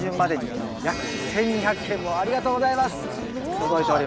届いております。